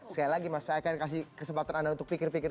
sekali lagi mas saya akan kasih kesempatan anda untuk pikir pikir